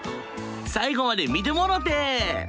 最後まで見てもろて！